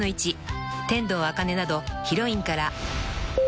天道あかねなどヒロインから］